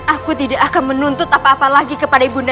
aku tidak akan menuntut apa apa lagi kepada ibunda